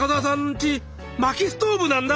ちまきストーブなんだ。